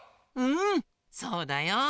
うんそうだよ。